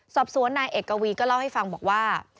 สอบสวนนายเอกวีก็เล่าให้ฟังบอกว่า